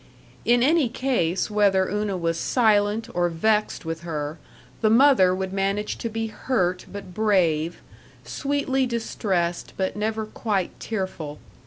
In any case, whether Una was silent or vexed with her, the mother would manage to be hurt but brave; sweetly distressed, but never quite tearful.